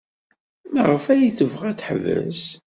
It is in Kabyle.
Maɣef ay tebɣa ad teḥbes?